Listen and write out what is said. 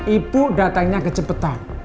ibu datangnya ke cepetan